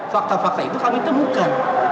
fakta fakta itu kami temukan